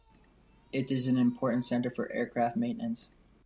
It is an important centre for aircraft maintenance.